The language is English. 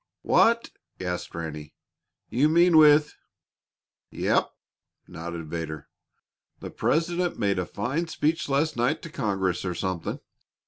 "What!" gasped Ranny. "You mean with " "Yep," nodded Vedder. "The President made a fine speech last night to Congress, or something.